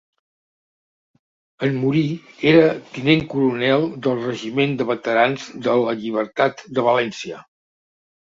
En morir era tinent coronel del Regiment de Veterans de la Llibertat de València.